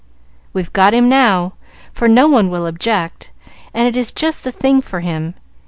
"We've got him now, for no one will object, and it is just the thing for him.